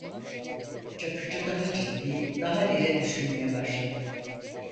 Çakıcı daha ciddi, daha derin düşünmeye başladı.